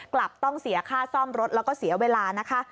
กลับต้องเสียค่าซ่อมรถแล้วก็เสียเวลานะคะ